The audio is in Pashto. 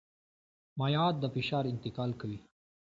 مایعات د فشار انتقال کوي.